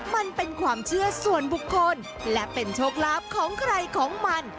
มันเป็นความเชื่อส่วนบุคคลและเป็นโชคลาภของใครของมัน